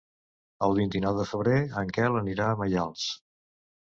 El vint-i-nou de febrer en Quel anirà a Maials.